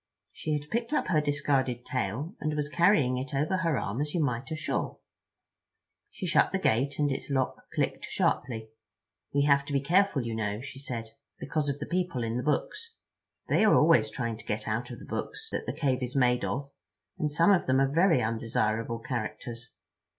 She had picked up her discarded tail and was carrying it over her arm as you might a shawl. She shut the gate, and its lock clicked sharply. "We have to be careful, you know," she said, "because of the people in the books. They are always trying to get out of the books that the cave is made of; and some of them are very undesirable characters.